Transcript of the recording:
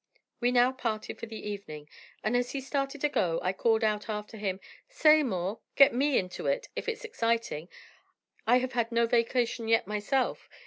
We now parted for the evening, and as he started to go, I called out after him: "Say, Moore, get me into it, if it's exciting. I have had no vacation yet myself.